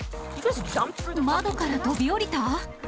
窓から飛び降りた？